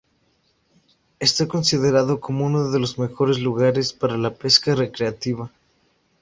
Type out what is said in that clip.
Está considerado como uno de los mejores lugares para la pesca recreativa.